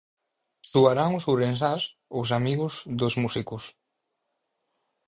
Soarán os ourensáns Os amigos dos Músicos.